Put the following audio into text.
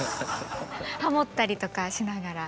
ハモったりとかしながら。